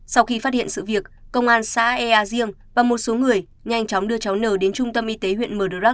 sau khi phát hiện sự việc công an xã ea riêng và một số người nhanh chóng đưa cháu nờ đến trung tâm y tế huyện mờ đơ rắc